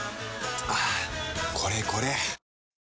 はぁこれこれ！